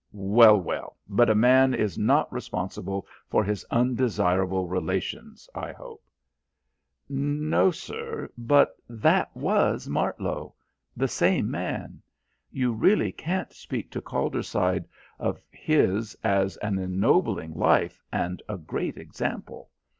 Well, well, but a man is not responsible for his undesirable relations, I hope." "No, sir. But that was Martlow. The same man. You really can't speak to Calderside of his as an ennobling life and a great example.